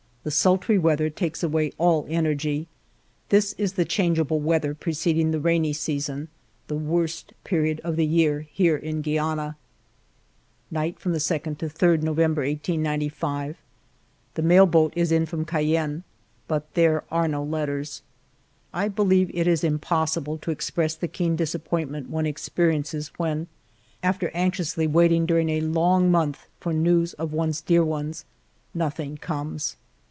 The sultry weather takes away all energy. ALFRED DREYFUS 175 This is the changeable weather preceding the rainy season, the worst period of the year here in Guiana. Night from the id to 3^ November^ i^95' The mail boat is in from Cayenne, but there are no letters. I believe it impossible to express the keen dis appointment one experiences when, after anxiously waiting during a long month for news of one's dear ones, nothing comes.